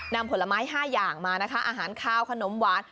ผลไม้๕อย่างมานะคะอาหารคาวขนมหวาน